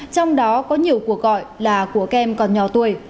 trong đó có nhiều cuộc gọi là của kem còn nhỏ tuổi